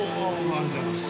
ありがとうございます。